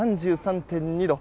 ３３．２度。